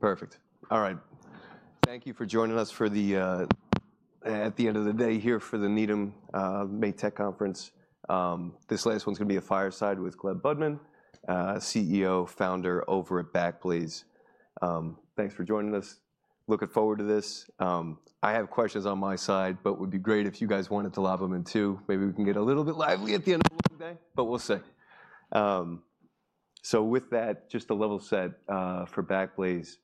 Good? Perfect. All right. Thank you for joining us for the, at the end of the day here for the Needham, Made Tech Conference. This last one's going to be a fireside with Gleb Budman, CEO, founder over at Backblaze. Thanks for joining us. Looking forward to this. I have questions on my side, but it would be great if you guys wanted to lob them in too. Maybe we can get a little bit lively at the end of the day, but we'll see. With that, just to level set, for Backblaze,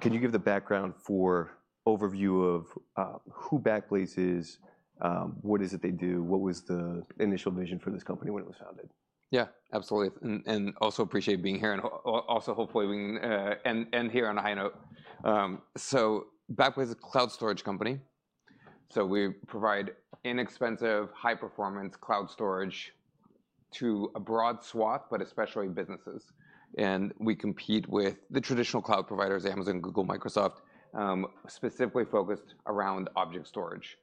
can you give the background for overview of, who Backblaze is, what is it they do, what was the initial vision for this company when it was founded? Yeah, absolutely. And also appreciate being here. And also, hopefully we can end here on a high note. Backblaze is a cloud storage company. We provide inexpensive, high-performance cloud storage to a broad swath, but especially businesses. We compete with the traditional cloud providers, Amazon, Google, Microsoft, specifically focused around object storage.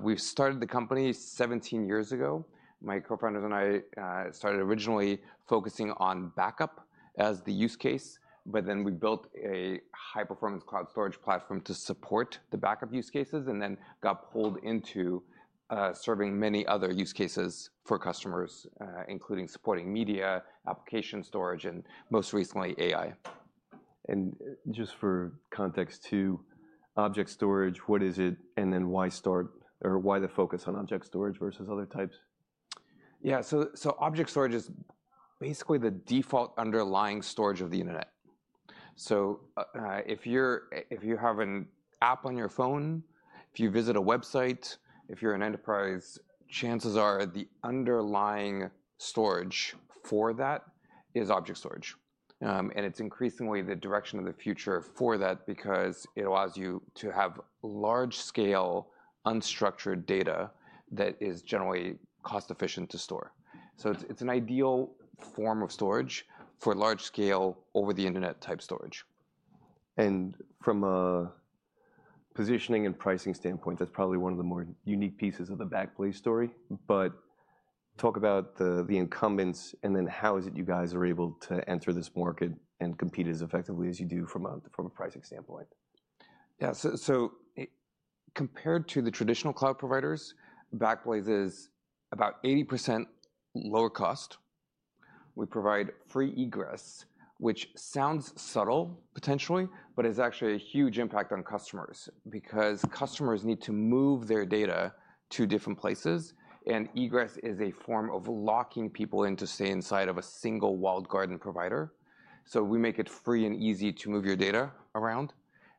We started the company 17 years ago. My co-founders and I started originally focusing on backup as the use case, but then we built a high-performance cloud storage platform to support the backup use cases and then got pulled into serving many other use cases for customers, including supporting media, application storage, and most recently AI. Just for context too, object storage, what is it and then why start, or why the focus on object storage versus other types? Yeah, so object storage is basically the default underlying storage of the internet. If you have an app on your phone, if you visit a website, if you're an enterprise, chances are the underlying storage for that is object storage. It's increasingly the direction of the future for that because it allows you to have large-scale, unstructured data that is generally cost-efficient to store. It's an ideal form of storage for large-scale over-the-internet type storage. From a positioning and pricing standpoint, that's probably one of the more unique pieces of the Backblaze story. Talk about the incumbents and then how is it you guys are able to enter this market and compete as effectively as you do from a pricing standpoint? Yeah, so compared to the traditional cloud providers, Backblaze is about 80% lower cost. We provide free egress, which sounds subtle potentially, but it's actually a huge impact on customers because customers need to move their data to different places. Egress is a form of locking people in to stay inside of a single walled garden provider. We make it free and easy to move your data around,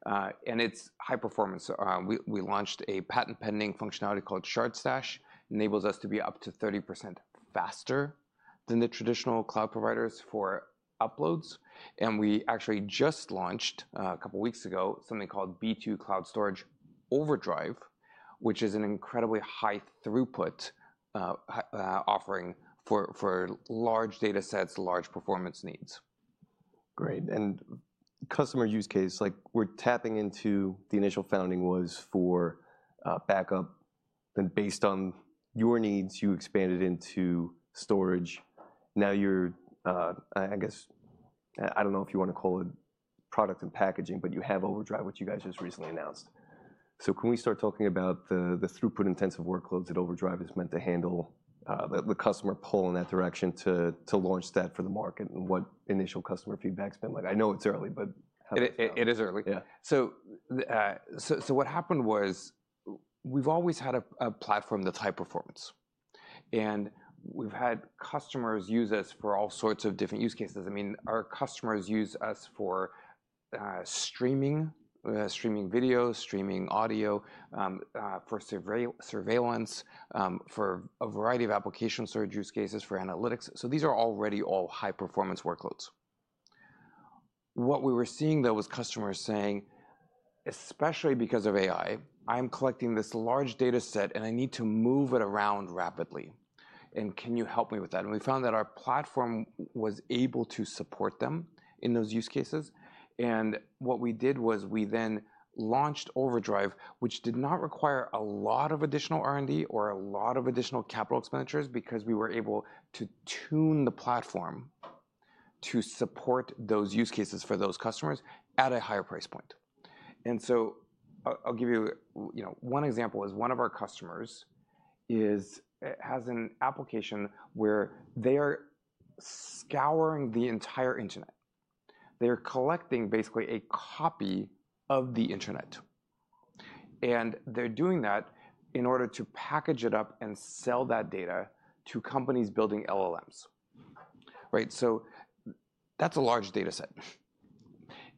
and it's high performance. We launched a patent-pending functionality called Shard Stash. It enables us to be up to 30% faster than the traditional cloud providers for uploads. We actually just launched, a couple of weeks ago, something called B2 Cloud Storage Overdrive, which is an incredibly high throughput offering for large data sets, large performance needs. Great. Customer use case, like we're tapping into the initial founding was for backup. Then based on your needs, you expanded into storage. Now you're, I guess, I don't know if you want to call it product and packaging, but you have Overdrive, which you guys just recently announced. Can we start talking about the throughput-intensive workloads that Overdrive is meant to handle, the customer pull in that direction to launch that for the market and what initial customer feedback's been like? I know it's early, but. It is early. Yeah. What happened was we've always had a platform that's high performance. We've had customers use us for all sorts of different use cases. I mean, our customers use us for streaming, streaming video, streaming audio, for surveillance, for a variety of application storage use cases for analytics. These are already all high-performance workloads. What we were seeing though was customers saying, especially because of AI, I'm collecting this large data set and I need to move it around rapidly. Can you help me with that? We found that our platform was able to support them in those use cases. What we did was we then launched Overdrive, which did not require a lot of additional R&D or a lot of additional capital expenditures because we were able to tune the platform to support those use cases for those customers at a higher price point. I'll give you, you know, one example. One of our customers has an application where they are scouring the entire internet. They're collecting basically a copy of the internet. They're doing that in order to package it up and sell that data to companies building LLMs. Right? That's a large data set.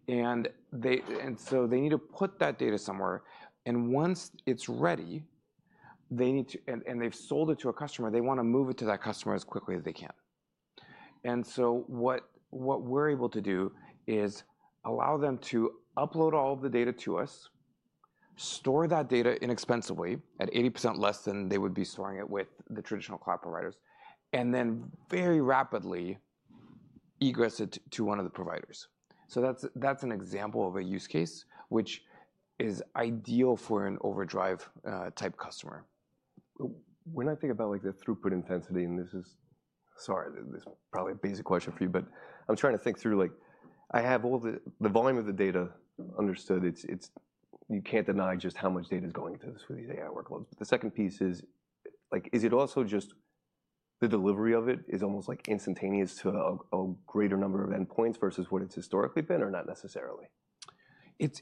They need to put that data somewhere. Once it's ready, and they've sold it to a customer, they want to move it to that customer as quickly as they can. What we're able to do is allow them to upload all of the data to us, store that data inexpensively at 80% less than they would be storing it with the traditional cloud providers, and then very rapidly egress it to one of the providers. That's an example of a use case which is ideal for an Overdrive-type customer. When I think about like the throughput intensity, and this is, sorry, this is probably a basic question for you, but I'm trying to think through, like, I have all the, the volume of the data understood. It's, it's, you can't deny just how much data is going through these AI workloads. The second piece is, like, is it also just the delivery of it is almost like instantaneous to a, a greater number of endpoints versus what it's historically been or not necessarily?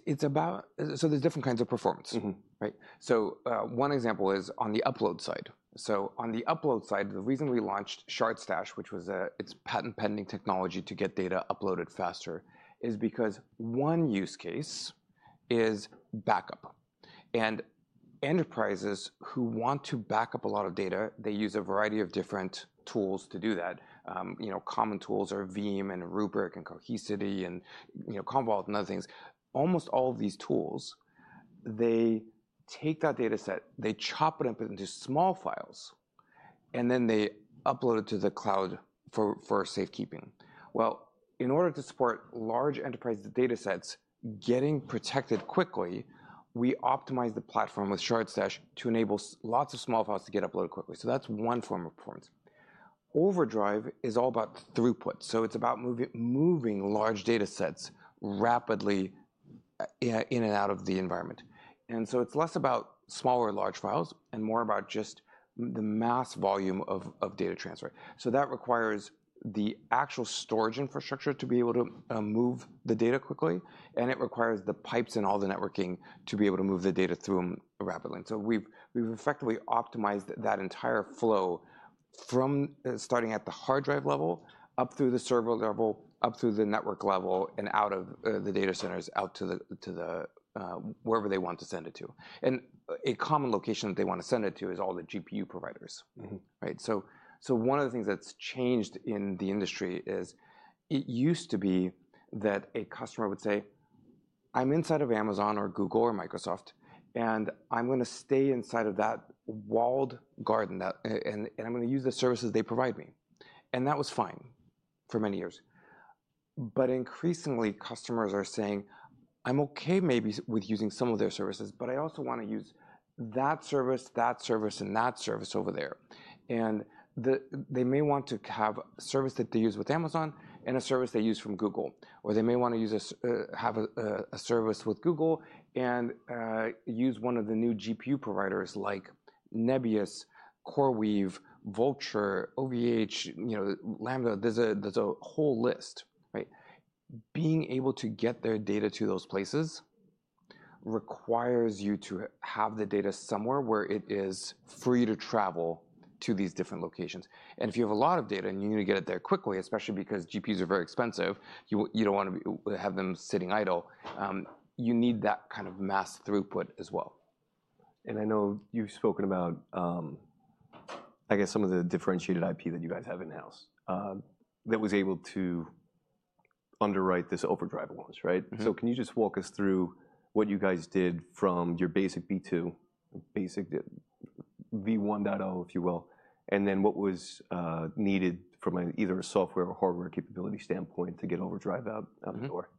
It's about, so there's different kinds of performance. Mm-hmm. Right? One example is on the upload side. On the upload side, the reason we launched Shard Stash, which was a, it's patent-pending technology to get data uploaded faster, is because one use case is backup. And enterprises who want to back up a lot of data, they use a variety of different tools to do that. You know, common tools are Veeam and Rubrik and Cohesity and, you know, Commvault and other things. Almost all of these tools, they take that data set, they chop it up into small files, and then they upload it to the cloud for safekeeping. In order to support large enterprise data sets getting protected quickly, we optimize the platform with Shard Stash to enable lots of small files to get uploaded quickly. That's one form of performance. Overdrive is all about throughput. It's about moving large data sets rapidly in and out of the environment. It's less about smaller or large files and more about just the mass volume of data transfer. That requires the actual storage infrastructure to be able to move the data quickly. It requires the pipes and all the networking to be able to move the data through them rapidly. We've effectively optimized that entire flow from starting at the hard drive level, up through the server level, up through the network level, and out of the data centers out to wherever they want to send it to. A common location that they want to send it to is all the GPU providers. Mm-hmm. Right? One of the things that's changed in the industry is it used to be that a customer would say, "I'm inside of Amazon or Google or Microsoft, and I'm going to stay inside of that walled garden, and I'm going to use the services they provide me." That was fine for many years. Increasingly, customers are saying, "I'm okay maybe with using some of their services, but I also want to use that service, that service, and that service over there." They may want to have a service that they use with Amazon and a service they use from Google, or they may want to have a service with Google and use one of the new GPU providers like Nebius, CoreWeave, Vultr, OVH, you know, Lambda. There's a whole list, right? Being able to get their data to those places requires you to have the data somewhere where it is free to travel to these different locations. If you have a lot of data and you need to get it there quickly, especially because GPUs are very expensive, you don't want to have them sitting idle. You need that kind of mass throughput as well. I know you've spoken about, I guess some of the differentiated IP that you guys have in-house, that was able to underwrite this Overdrive launch, right? Mm-hmm. Can you just walk us through what you guys did from your basic B2, basic V1.0, if you will, and then what was needed from either a software or hardware capability standpoint to get Overdrive out the door?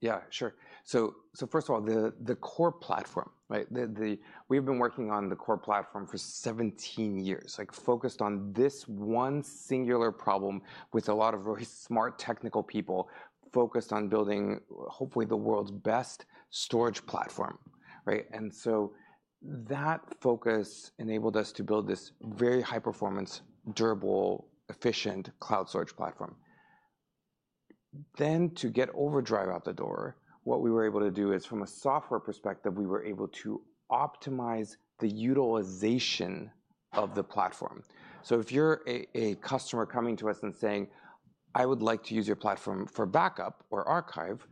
Yeah, sure. First of all, the core platform, right? We've been working on the core platform for 17 years, like focused on this one singular problem with a lot of very smart technical people focused on building, hopefully, the world's best storage platform, right? That focus enabled us to build this very high-performance, durable, efficient cloud storage platform. To get Overdrive out the door, what we were able to do is from a software perspective, we were able to optimize the utilization of the platform. If you're a customer coming to us and saying, "I would like to use your platform for backup or archive,"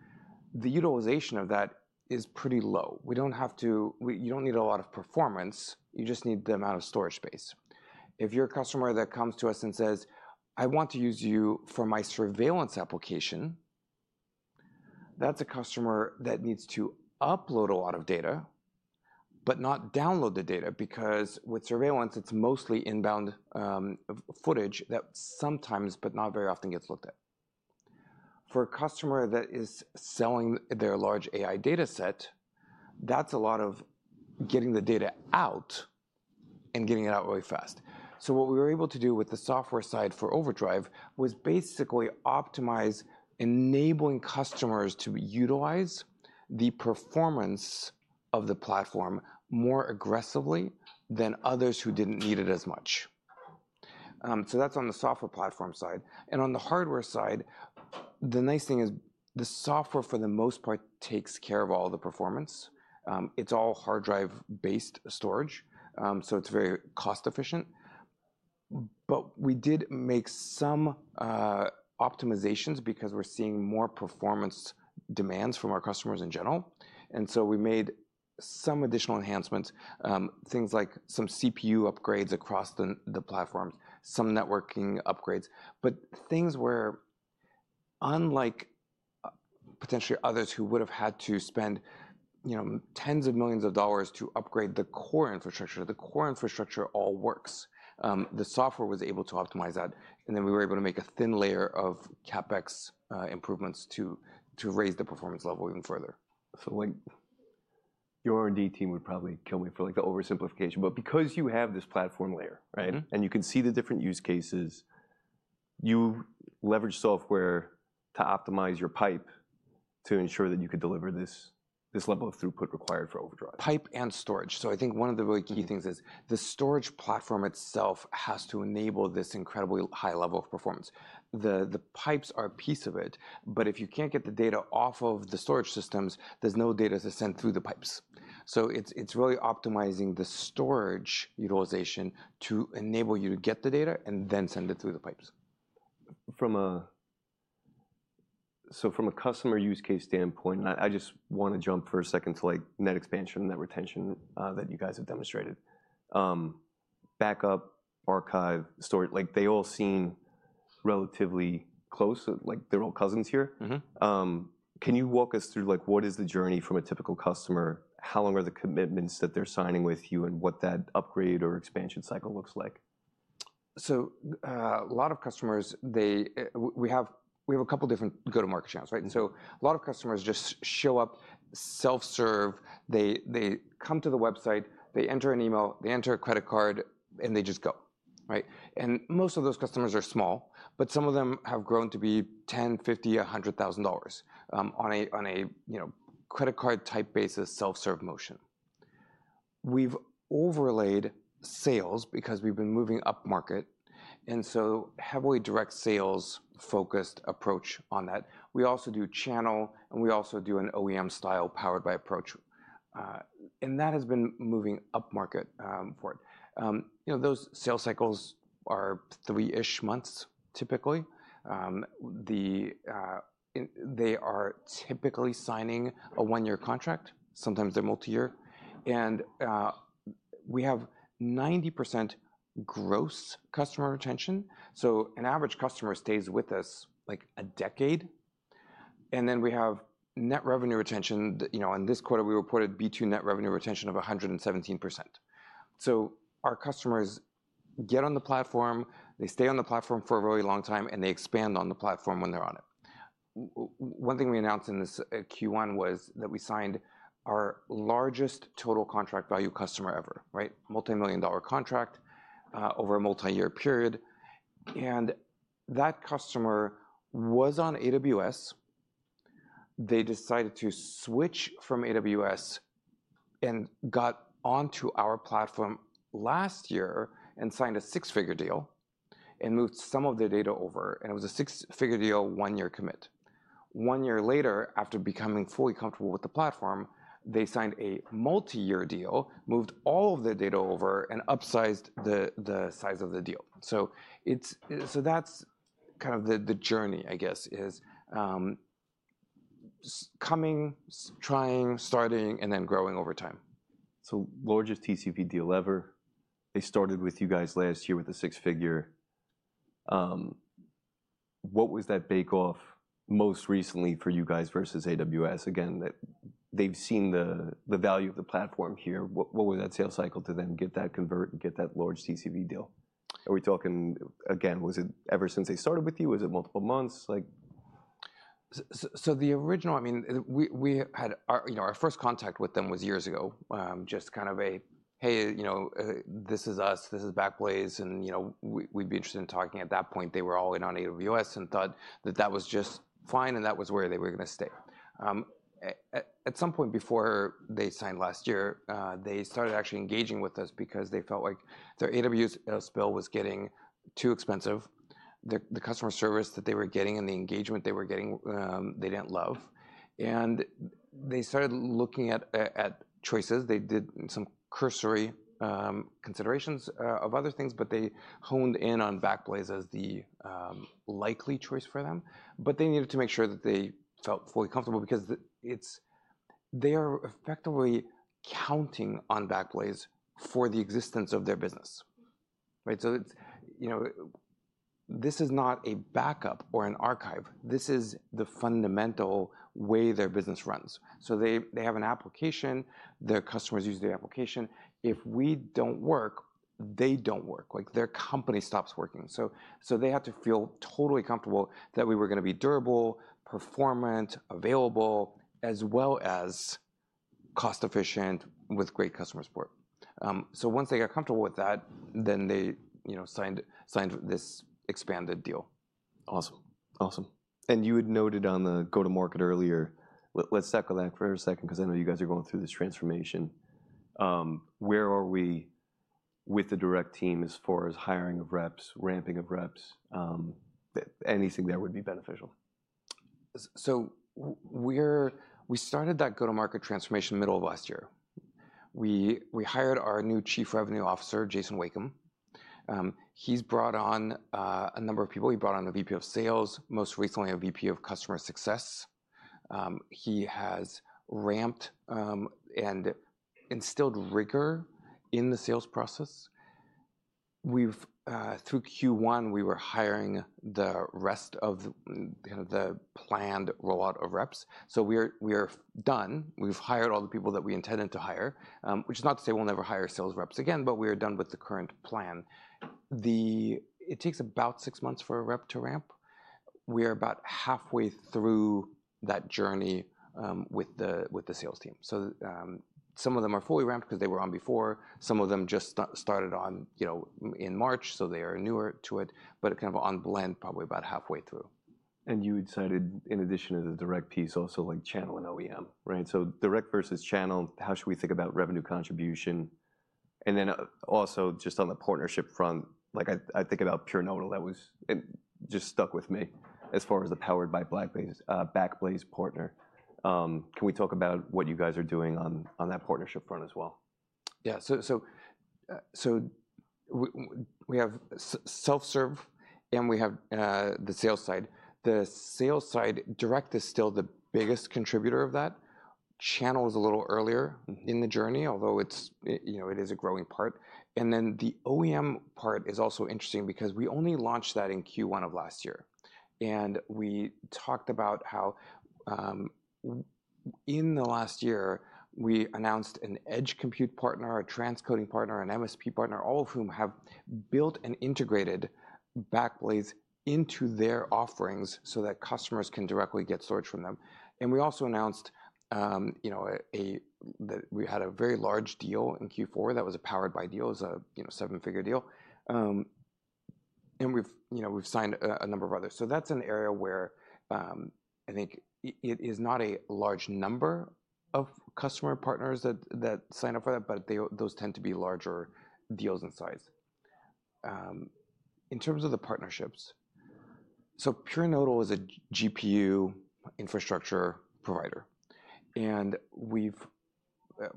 the utilization of that is pretty low. We don't have to, you don't need a lot of performance. You just need the amount of storage space. If you're a customer that comes to us and says, "I want to use you for my surveillance application," that's a customer that needs to upload a lot of data, but not download the data because with surveillance, it's mostly inbound, footage that sometimes, but not very often, gets looked at. For a customer that is selling their large AI data set, that's a lot of getting the data out and getting it out really fast. What we were able to do with the software side for Overdrive was basically optimize, enabling customers to utilize the performance of the platform more aggressively than others who didn't need it as much. That's on the software platform side. On the hardware side, the nice thing is the software for the most part takes care of all the performance. It's all hard drive-based storage, so it's very cost-efficient. We did make some optimizations because we're seeing more performance demands from our customers in general. We made some additional enhancements, things like some CPU upgrades across the platforms, some networking upgrades, but things where, unlike potentially others who would've had to spend, you know, tens of millions of dollars to upgrade the core infrastructure, the core infrastructure all works. The software was able to optimize that. We were able to make a thin layer of CapEx improvements to raise the performance level even further. Like your R&D team would probably kill me for like the oversimplification, but because you have this platform layer, right? Mm-hmm. You can see the different use cases, you leverage software to optimize your pipe to ensure that you could deliver this level of throughput required for Overdrive. Pipe and storage. I think one of the really key things is the storage platform itself has to enable this incredibly high level of performance. The pipes are a piece of it, but if you can't get the data off of the storage systems, there's no data to send through the pipes. It's really optimizing the storage utilization to enable you to get the data and then send it through the pipes. From a, so from a customer use case standpoint, and I just want to jump for a second to like net expansion, net retention, that you guys have demonstrated. Backup, archive, storage, like they all seem relatively close. Like they're all cousins here. Mm-hmm. Can you walk us through like what is the journey from a typical customer? How long are the commitments that they're signing with you and what that upgrade or expansion cycle looks like? A lot of customers, we have a couple different go-to-market channels, right? A lot of customers just show up, self-serve. They come to the website, they enter an email, they enter a credit card, and they just go, right? Most of those customers are small, but some of them have grown to be $10,000, $50,000, $100,000, on a, you know, credit card type basis, self-serve motion. We've overlaid sales because we've been moving up market. Heavily direct sales focused approach on that. We also do channel, and we also do an OEM style powered by approach, and that has been moving up market for it. You know, those sales cycles are three-ish months typically. They are typically signing a one-year contract. Sometimes they're multi-year. We have 90% gross customer retention. An average customer stays with us like a decade. And then we have net revenue retention, you know, on this quarter, we reported B2 net revenue retention of 117%. Our customers get on the platform, they stay on the platform for a really long time, and they expand on the platform when they're on it. One thing we announced in this Q1 was that we signed our largest total contract value customer ever, right? Multi-million dollar contract, over a multi-year period. That customer was on AWS. They decided to switch from AWS and got onto our platform last year and signed a six-figure deal and moved some of their data over. It was a six-figure deal, one-year commit. One year later, after becoming fully comfortable with the platform, they signed a multi-year deal, moved all of their data over, and upsized the size of the deal. That's kind of the journey, I guess, is coming, trying, starting, and then growing over time. Largest TCP deal ever. They started with you guys last year with a six-figure. What was that bake-off most recently for you guys versus AWS? Again, that they've seen the value of the platform here. What was that sales cycle to then get that convert and get that large TCP deal? Are we talking again, was it ever since they started with you? Was it multiple months? Like. The original, I mean, we had our, you know, our first contact with them was years ago, just kind of a, "Hey, you know, this is us, this is Backblaze, and, you know, we'd be interested in talking." At that point, they were all in on AWS and thought that that was just fine and that was where they were going to stay. At some point before they signed last year, they started actually engaging with us because they felt like their AWS bill was getting too expensive. The customer service that they were getting and the engagement they were getting, they didn't love. And they started looking at choices. They did some cursory considerations of other things, but they honed in on Backblaze as the likely choice for them. They needed to make sure that they felt fully comfortable because it's, they are effectively counting on Backblaze for the existence of their business, right? It's, you know, this is not a backup or an archive. This is the fundamental way their business runs. They have an application, their customers use the application. If we don't work, they don't work. Their company stops working. They had to feel totally comfortable that we were going to be durable, performant, available, as well as cost-efficient with great customer support. Once they got comfortable with that, they signed this expanded deal. Awesome. Awesome. You had noted on the go-to-market earlier, let's tackle that for a second, because I know you guys are going through this transformation. Where are we with the direct team as far as hiring of reps, ramping of reps? Anything there would be beneficial. We started that go-to-market transformation middle of last year. We hired our new Chief Revenue Officer, Jason Wakem. He's brought on a number of people. He brought on a VP of Sales, most recently a VP of Customer Success. He has ramped and instilled rigor in the sales process. Through Q1, we were hiring the rest of the planned rollout of reps. We are done. We've hired all the people that we intended to hire, which is not to say we'll never hire sales reps again, but we are done with the current plan. It takes about six months for a rep to ramp. We are about halfway through that journey with the sales team. Some of them are fully ramped because they were on before. Some of them just started on, you know, in March, so they are newer to it, but kind of on blend, probably about halfway through. You had cited, in addition to the direct piece, also like channel and OEM, right? Direct versus channel, how should we think about revenue contribution? Also, just on the partnership front, like I think about Pure Notable. That just stuck with me as far as the powered by Backblaze partner. Can we talk about what you guys are doing on that partnership front as well? Yeah. We have self-serve and we have the sales side. The sales side direct is still the biggest contributor of that. Channel was a little earlier in the journey, although it's, you know, it is a growing part. The OEM part is also interesting because we only launched that in Q1 of last year. We talked about how, in the last year, we announced an edge compute partner, a transcoding partner, an MSP partner, all of whom have built and integrated Backblaze into their offerings so that customers can directly get storage from them. We also announced that we had a very large deal in Q4 that was a powered by deal, it was a seven-figure deal. We've signed a number of others. That's an area where, I think it is not a large number of customer partners that sign up for that, but those tend to be larger deals in size. In terms of the partnerships, Pure Notable is a GPU infrastructure provider. We've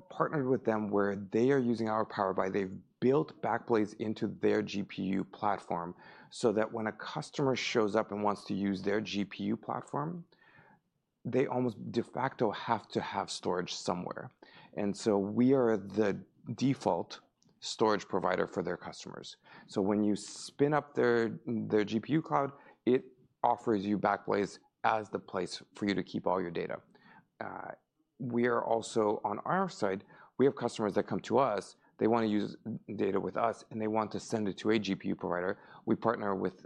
partnered with them where they are using our power by, they've built Backblaze into their GPU platform so that when a customer shows up and wants to use their GPU platform, they almost de facto have to have storage somewhere. We are the default storage provider for their customers. When you spin up their GPU cloud, it offers you Backblaze as the place for you to keep all your data. We are also on our side, we have customers that come to us, they want to use data with us and they want to send it to a GPU provider. We partner with,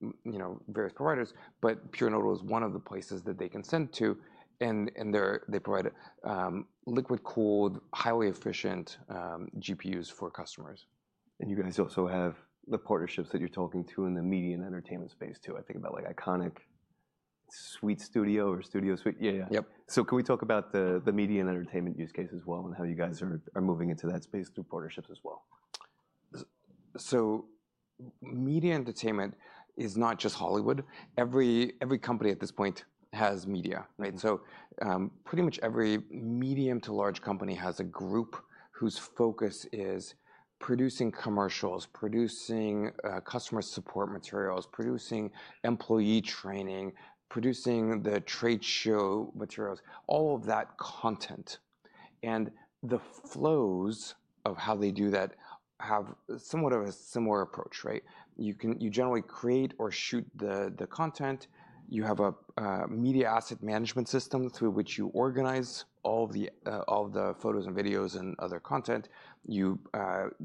you know, various providers, but Pure Notable is one of the places that they can send to. They provide liquid cooled, highly efficient GPUs for customers. You guys also have the partnerships that you're talking to in the media and entertainment space too. I think about like Iconic, Sweet Studios or Studio Sweet. Yeah. Yep. Can we talk about the media and entertainment use case as well and how you guys are moving into that space through partnerships as well? Media entertainment is not just Hollywood. Every company at this point has media, right? Pretty much every medium to large company has a group whose focus is producing commercials, producing customer support materials, producing employee training, producing the trade show materials, all of that content. The flows of how they do that have somewhat of a similar approach, right? You generally create or shoot the content. You have a media asset management system through which you organize all the photos and videos and other content. You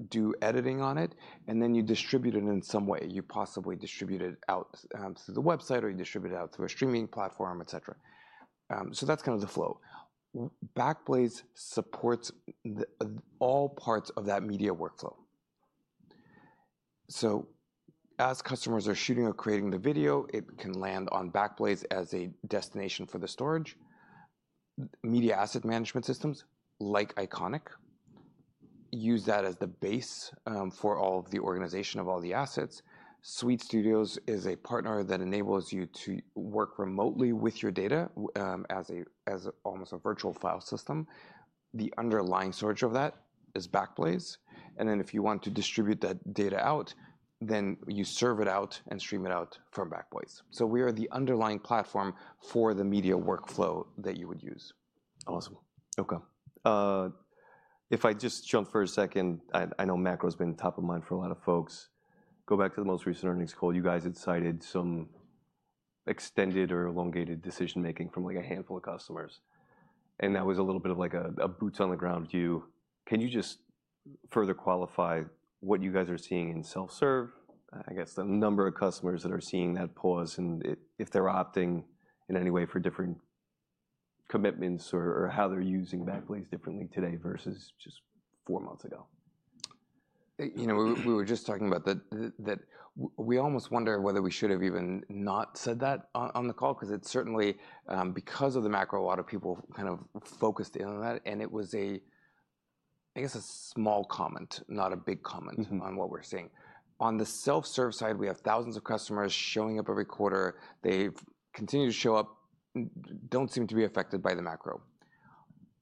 do editing on it, and then you distribute it in some way. You possibly distribute it out through the website or you distribute it out through a streaming platform, et cetera. That is kind of the flow. Backblaze supports all parts of that media workflow. As customers are shooting or creating the video, it can land on Backblaze as a destination for the storage. Media asset management systems like Iconic use that as the base, for all of the organization of all the assets. Sweet Studios is a partner that enables you to work remotely with your data, as almost a virtual file system. The underlying storage of that is Backblaze. If you want to distribute that data out, you serve it out and stream it out from Backblaze. We are the underlying platform for the media workflow that you would use. Awesome. Okay. If I just jump for a second, I know macro has been top of mind for a lot of folks. Go back to the most recent earnings call. You guys had cited some extended or elongated decision making from like a handful of customers. That was a little bit of like a boots on the ground view. Can you just further qualify what you guys are seeing in self-serve? I guess the number of customers that are seeing that pause and if they're opting in any way for different commitments or how they're using Backblaze differently today versus just four months ago? You know, we were just talking about that, that we almost wonder whether we should have even not said that on the call, because it is certainly, because of the macro, a lot of people kind of focused in on that. It was a, I guess a small comment, not a big comment on what we are seeing. On the self-serve side, we have thousands of customers showing up every quarter. They have continued to show up, do not seem to be affected by the macro.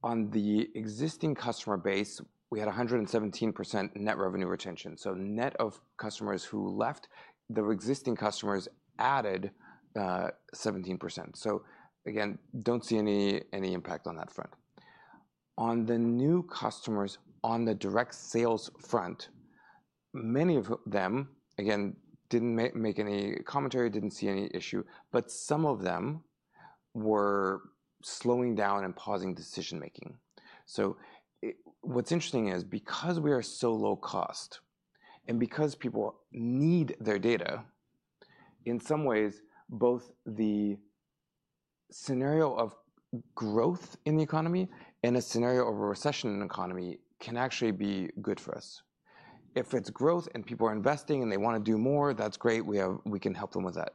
On the existing customer base, we had 117% net revenue retention. So net of customers who left, the existing customers added 17%. Again, do not see any impact on that front. On the new customers on the direct sales front, many of them, again, did not make any commentary, did not see any issue, but some of them were slowing down and pausing decision making. What's interesting is because we are so low cost and because people need their data, in some ways, both the scenario of growth in the economy and a scenario of a recession in the economy can actually be good for us. If it's growth and people are investing and they want to do more, that's great. We can help them with that.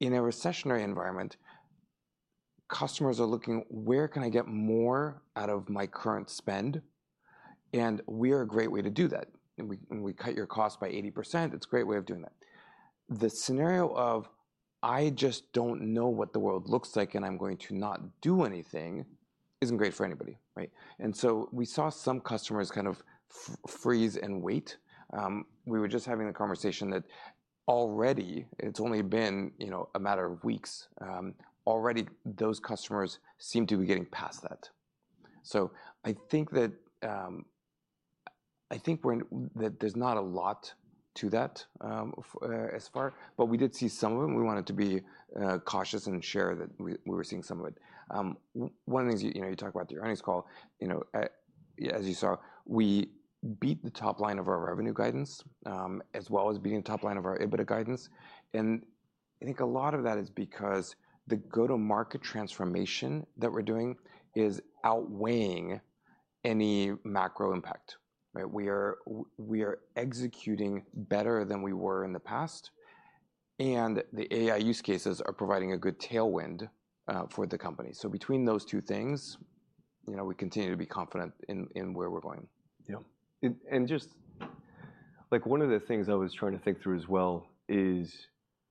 In a recessionary environment, customers are looking, where can I get more out of my current spend? We are a great way to do that. We cut your cost by 80%. It's a great way of doing that. The scenario of, I just don't know what the world looks like and I'm going to not do anything isn't great for anybody, right? We saw some customers kind of freeze and wait. We were just having the conversation that already it's only been, you know, a matter of weeks. Already those customers seem to be getting past that. I think that, I think we're in that there's not a lot to that, as far, but we did see some of them. We wanted to be cautious and share that we were seeing some of it. One of the things you, you know, you talk about the earnings call, you know, as you saw, we beat the top line of our revenue guidance, as well as beating the top line of our EBITDA guidance. I think a lot of that is because the go-to-market transformation that we're doing is outweighing any macro impact, right? We are executing better than we were in the past. The AI use cases are providing a good tailwind for the company. Between those two things, you know, we continue to be confident in, in where we're going. Yeah. Just like one of the things I was trying to think through as well is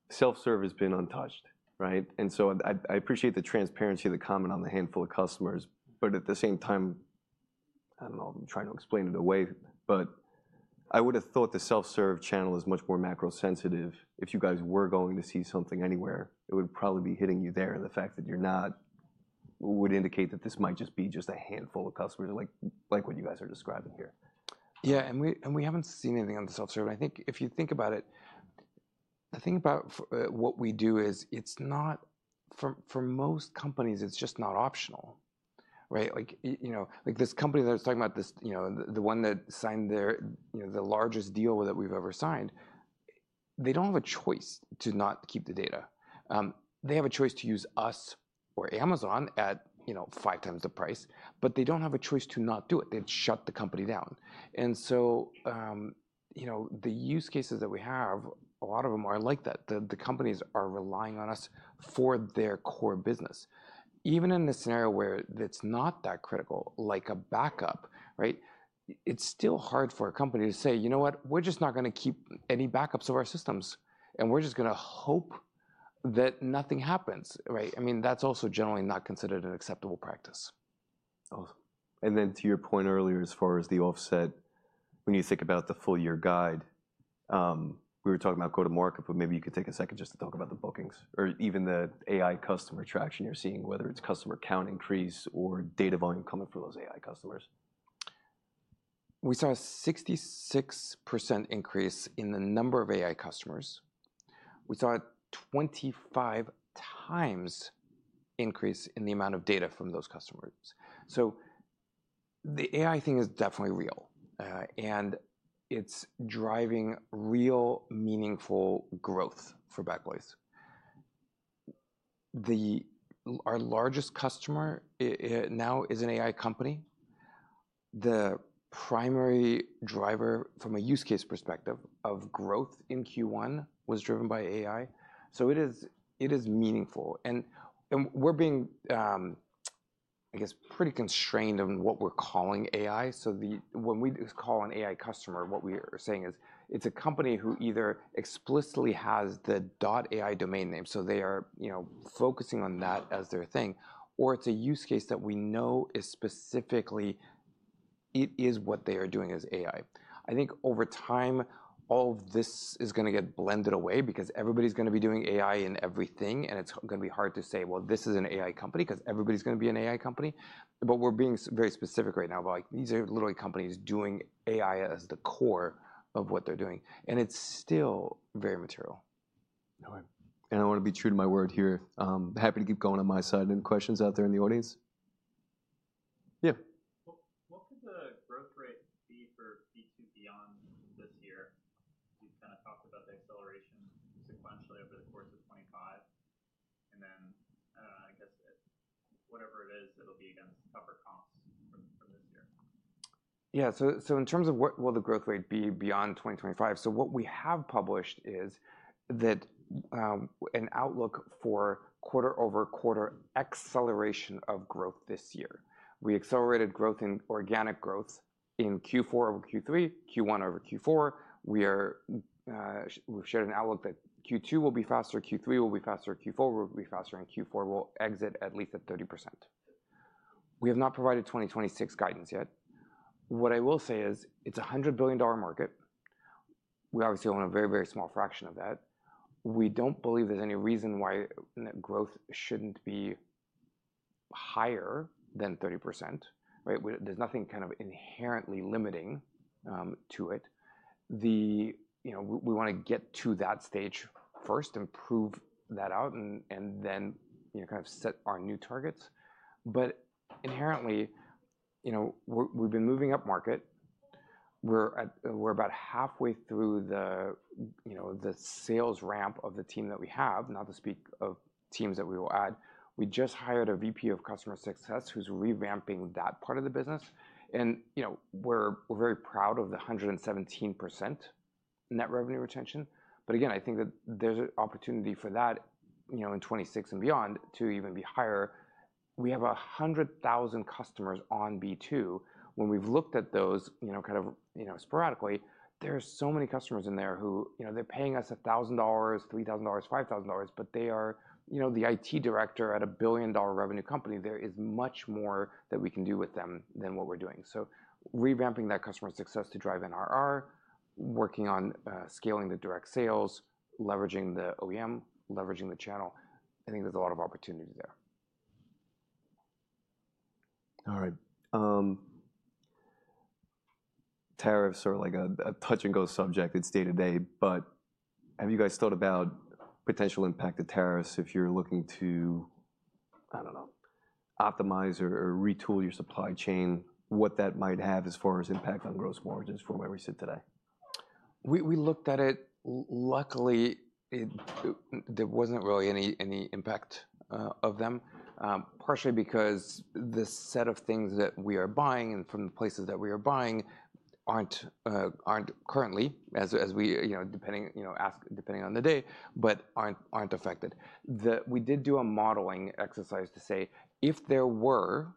self-serve has been untouched, right? I appreciate the transparency of the comment on the handful of customers, but at the same time, I don't know, I'm trying to explain it away, but I would have thought the self-serve channel is much more macro sensitive. If you guys were going to see something anywhere, it would probably be hitting you there and the fact that you're not would indicate that this might just be just a handful of customers, like what you guys are describing here. Yeah. And we haven't seen anything on the self-serve. I think if you think about it, the thing about what we do is it's not for, for most companies, it's just not optional, right? Like, you know, like this company that I was talking about, you know, the one that signed their, you know, the largest deal that we've ever signed, they don't have a choice to not keep the data. They have a choice to use us or Amazon at, you know, five times the price, but they don't have a choice to not do it. They'd shut the company down. The use cases that we have, a lot of them are like that. The companies are relying on us for their core business. Even in a scenario where that's not that critical, like a backup, right? It's still hard for a company to say, you know what, we're just not going to keep any backups of our systems and we're just going to hope that nothing happens, right? I mean, that's also generally not considered an acceptable practice. Awesome. To your point earlier, as far as the offset, when you think about the full year guide, we were talking about go-to-market, but maybe you could take a second just to talk about the bookings or even the AI customer traction you're seeing, whether it's customer count increase or data volume coming from those AI customers. We saw a 66% increase in the number of AI customers. We saw a 25 times increase in the amount of data from those customers. The AI thing is definitely real, and it's driving real meaningful growth for Backblaze. Our largest customer now is an AI company. The primary driver from a use case perspective of growth in Q1 was driven by AI. It is meaningful. We're being, I guess, pretty constrained on what we're calling AI. When we call an AI customer, what we are saying is it's a company who either explicitly has the dot AI domain name, so they are, you know, focusing on that as their thing, or it's a use case that we know is specifically, it is what they are doing as AI. I think over time, all of this is going to get blended away because everybody's going to be doing AI in everything. It's going to be hard to say, well, this is an AI company because everybody's going to be an AI company. We're being very specific right now about like these are literally companies doing AI as the core of what they're doing. It's still very material. All right. I want to be true to my word here. Happy to keep going on my side. Any questions out there in the audience? Yeah. What could the growth rate be for B2 beyond this year? You kind of talked about the acceleration sequentially over the course of 2025. I don't know, I guess whatever it is, it'll be against tougher costs from this year. Yeah. In terms of what will the growth rate be beyond 2025? What we have published is an outlook for quarter over quarter acceleration of growth this year. We accelerated growth in organic growth in Q4 over Q3, Q1 over Q4. We've shared an outlook that Q2 will be faster, Q3 will be faster, Q4 will be faster, and Q4 will exit at least at 30%. We have not provided 2026 guidance yet. What I will say is it's a $100 billion market. We obviously own a very, very small fraction of that. We don't believe there's any reason why growth shouldn't be higher than 30%, right? There's nothing kind of inherently limiting to it. You know, we want to get to that stage first and prove that out and then, you know, kind of set our new targets. Inherently, you know, we've been moving up market. We're about halfway through the, you know, the sales ramp of the team that we have, not to speak of teams that we will add. We just hired a VP of Customer Success who's revamping that part of the business. You know, we're very proud of the 117% net revenue retention. Again, I think that there's an opportunity for that, you know, in 2026 and beyond to even be higher. We have 100,000 customers on B2. When we've looked at those, you know, kind of sporadically, there's so many customers in there who, you know, they're paying us $1,000, $3,000, $5,000, but they are the IT director at a billion dollar revenue company. There is much more that we can do with them than what we're doing. Revamping that customer success to drive NRR, working on, scaling the direct sales, leveraging the OEM, leveraging the channel. I think there's a lot of opportunity there. All right. Tariffs are like a, a touch and go subject in day to day. But have you guys thought about potential impact of tariffs if you're looking to, I don't know, optimize or retool your supply chain, what that might have as far as impact on gross margins from where we sit today? We looked at it. Luckily, there wasn't really any impact, partially because the set of things that we are buying and from the places that we are buying aren't currently, as we, you know, depending, you know, ask, depending on the day, but aren't affected. We did do a modeling exercise to say if there were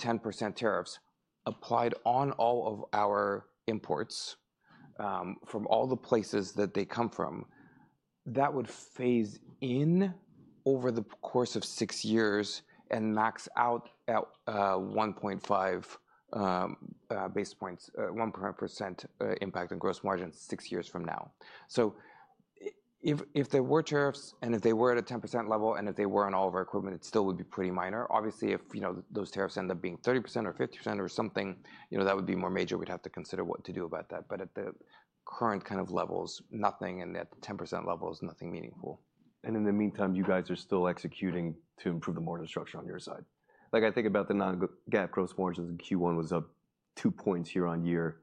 10% tariffs applied on all of our imports, from all the places that they come from, that would phase in over the course of six years and max out at 1.5% impact on gross margin six years from now. If there were tariffs and if they were at a 10% level and if they were on all of our equipment, it still would be pretty minor. Obviously, if, you know, those tariffs end up being 30% or 50% or something, you know, that would be more major. We'd have to consider what to do about that. At the current kind of levels, nothing at the 10% level is nothing meaningful. In the meantime, you guys are still executing to improve the mortgage structure on your side. Like I think about the non-GAAP gross margins in Q1 was up two points year on year,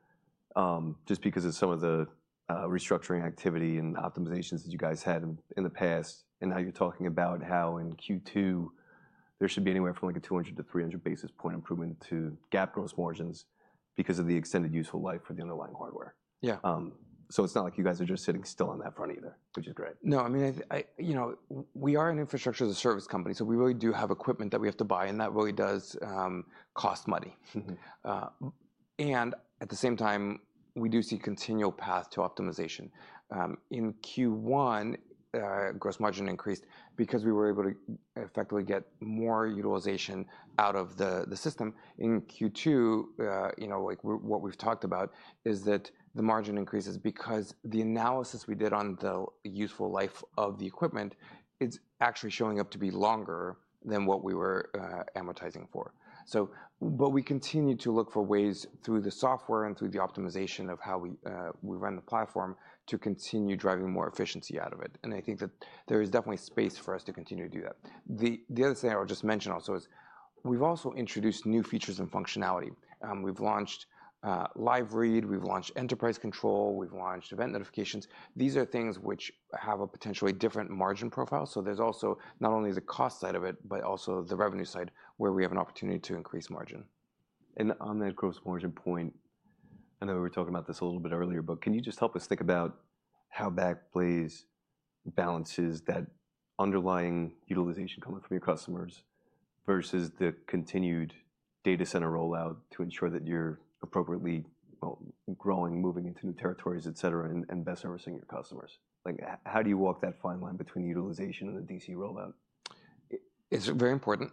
just because of some of the restructuring activity and optimizations that you guys had in the past and how you're talking about how in Q2 there should be anywhere from like a 200-300 basis point improvement to GAAP gross margins because of the extended useful life for the underlying hardware. Yeah. It's not like you guys are just sitting still on that front either, which is great. No, I mean, I, you know, we are an infrastructure as a service company. We really do have equipment that we have to buy, and that really does cost money. At the same time, we do see a continual path to optimization. In Q1, gross margin increased because we were able to effectively get more utilization out of the system. In Q2, you know, like what we've talked about is that the margin increases because the analysis we did on the useful life of the equipment is actually showing up to be longer than what we were amortizing for. We continue to look for ways through the software and through the optimization of how we run the platform to continue driving more efficiency out of it. I think that there is definitely space for us to continue to do that. The other thing I'll just mention also is we've also introduced new features and functionality. We've launched Live Read, we've launched Enterprise Control, we've launched Event Notifications. These are things which have a potentially different margin profile. So there's also not only the cost side of it, but also the revenue side where we have an opportunity to increase margin. On that gross margin point, I know we were talking about this a little bit earlier, but can you just help us think about how Backblaze balances that underlying utilization coming from your customers versus the continued data center rollout to ensure that you're appropriately, well, growing, moving into new territories, et cetera, and best servicing your customers? Like how do you walk that fine line between utilization and the DC rollout? It's very important,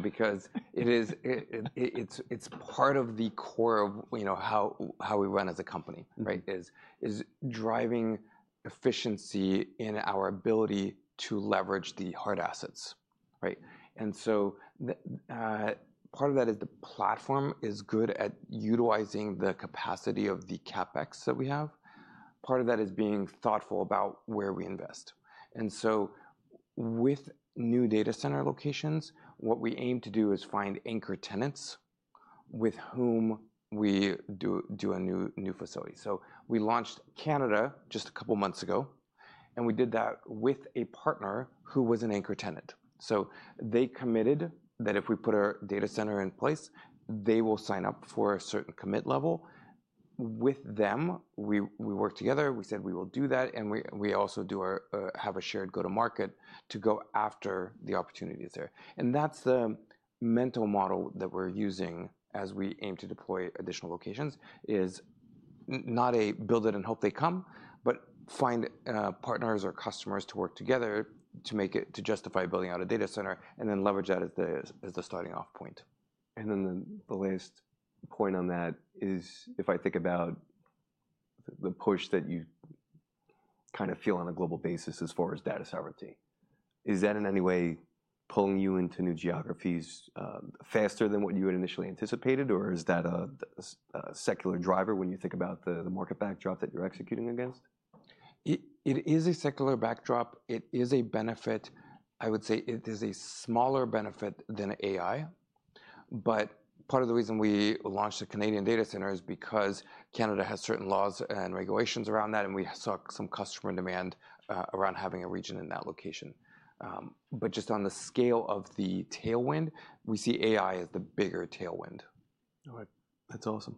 because it is, it's part of the core of, you know, how we run as a company, right? Is driving efficiency in our ability to leverage the hard assets, right? And so part of that is the platform is good at utilizing the capacity of the CapEx that we have. Part of that is being thoughtful about where we invest. With new data center locations, what we aim to do is find anchor tenants with whom we do a new facility. We launched Canada just a couple of months ago, and we did that with a partner who was an anchor tenant. They committed that if we put our data center in place, they will sign up for a certain commit level with them. We work together. We said we will do that. We also do our, have a shared go-to-market to go after the opportunities there. That's the mental model that we're using as we aim to deploy additional locations. It is not a build it and hope they come, but find partners or customers to work together to justify building out a data center and then leverage that as the starting off point. The last point on that is if I think about the push that you kind of feel on a global basis as far as data sovereignty, is that in any way pulling you into new geographies faster than what you had initially anticipated? Or is that a secular driver when you think about the market backdrop that you're executing against? It is a secular backdrop. It is a benefit. I would say it is a smaller benefit than AI. Part of the reason we launched a Canadian data center is because Canada has certain laws and regulations around that. We saw some customer demand around having a region in that location. Just on the scale of the tailwind, we see AI as the bigger tailwind. All right. That's awesome.